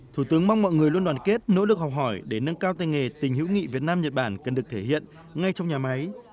thủ tướng mong mọi người luôn đoàn kết nỗ lực học hỏi để nâng cao tay nghề tình hữu nghị việt nam nhật bản cần được thể hiện ngay trong nhà máy